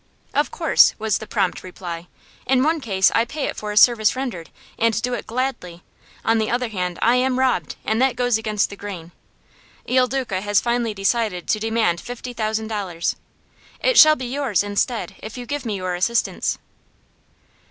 "Of course," was the prompt reply. "In one case I pay it for a service rendered, and do it gladly. On the other hand, I am robbed, and that goes against the grain. Il Duca has finally decided to demand fifty thousand dollars. It shall be yours, instead, if you give me your assistance."